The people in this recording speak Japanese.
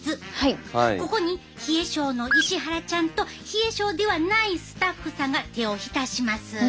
ここに冷え症の石原ちゃんと冷え症ではないスタッフさんが手を浸します。